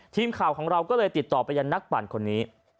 ทีมข่าวของเราก็เลยติดต่อไปยังนักปั่นคนนี้